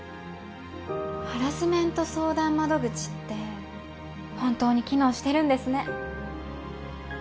ハラスメント相談窓口って本当に機能してるんですね